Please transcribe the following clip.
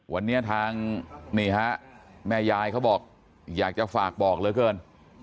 วันนี้ทางนี่ฮะแม่ยายเขาบอกอยากจะฝากบอกเหลือเกิน